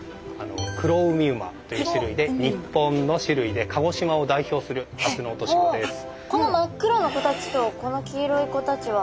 クロウミウマという種類で日本の種類で鹿児島を代表するタツノオトシゴです。